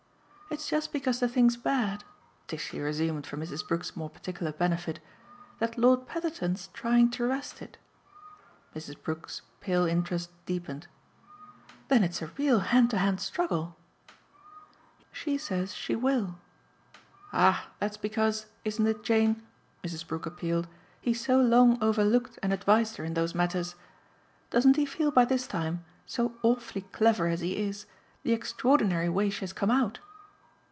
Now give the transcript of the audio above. "It's just because the thing's bad," Tishy resumed for Mrs. Brook's more particular benefit, "that Lord Petherton's trying to wrest it." Mrs. Brook's pale interest deepened. "Then it's a real hand to hand struggle?" "He says she shan't read it she says she will." "Ah that's because isn't it, Jane?" Mrs. Brook appealed "he so long overlooked and advised her in those matters. Doesn't he feel by this time so awfully clever as he is the extraordinary way she has come out?"